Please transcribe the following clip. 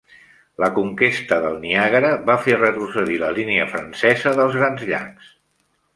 La conquesta del Niàgara va fer retrocedir la línia francesa dels Grans Llacs.